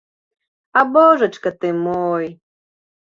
А божачка ты мой!